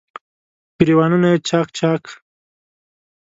ګریوانونه یې چا ک، چا ک